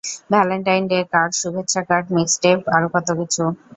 Valentine day card, শুভেচ্ছা card mixtape আরও কতকিছু।